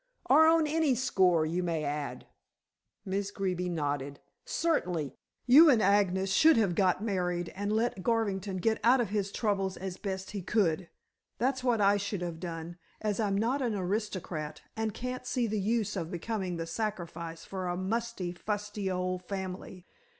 "Or on any score, you may add." Miss Greeby nodded. "Certainly! You and Agnes should have got married and let Garvington get out of his troubles as best he could. That's what I should have done, as I'm not an aristocrat, and can't see the use of becoming the sacrifice for a musty, fusty old family.